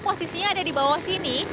posisinya ada di bawah sini